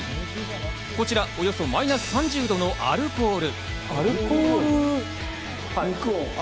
こちらおよそマイナス３０度のアルコール。